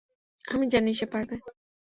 আমি জানি, সে পারবে!